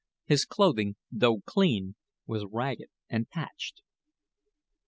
His clothing, though clean, was ragged and patched.